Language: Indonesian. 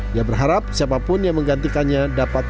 dia berharap siapapun yang menggantikannya dapat